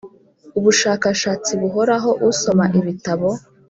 ubushakashatsi buhoraho usoma ibitabo